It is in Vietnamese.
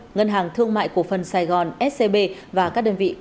ngân hàng thương mại cổ phần sài gòn scb và các đơn vị